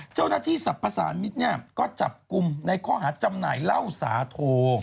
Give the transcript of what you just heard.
เจ้าหน้าที่สรรพสารมิตรเนี่ยก็จับกลุ่มในข้อหาจำหน่ายเหล้าสาโท